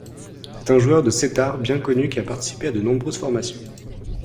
C'est un joueur de setâr bien connu qui a participé à de nombreuses formations.